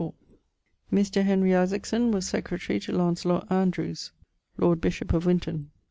Mr. Henry Isaacson was secretary to Lancelot Andrews, lord bishop of Winton.